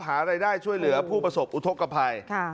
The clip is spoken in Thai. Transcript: หารายได้ช่วยเหลือผู้ประสบอุทธกภัย